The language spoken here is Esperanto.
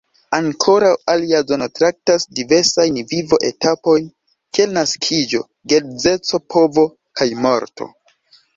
Ankoraŭ alia zono traktas diversajn vivo-etapojn kiel naskiĝo, geedzeco, povo kaj morto.